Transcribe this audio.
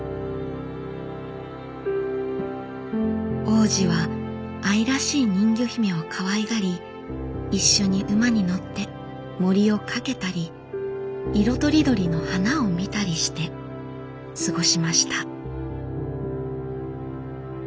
王子は愛らしい人魚姫をかわいがり一緒に馬に乗って森を駆けたり色とりどりの花を見たりして過ごしました。